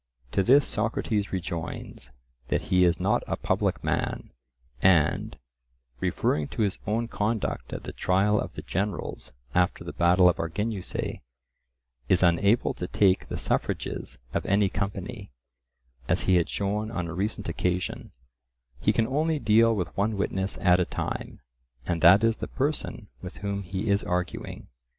To this Socrates rejoins, that he is not a public man, and (referring to his own conduct at the trial of the generals after the battle of Arginusae) is unable to take the suffrages of any company, as he had shown on a recent occasion; he can only deal with one witness at a time, and that is the person with whom he is arguing.